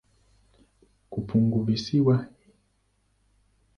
Funguvisiwa hilo ni kati ya sehemu za dunia zenye volkeno hai zaidi duniani.